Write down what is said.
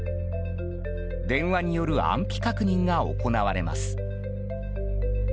電話による安否確認が行われます。